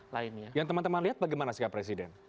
lainnya yang teman teman lihat bagaimana sikap presiden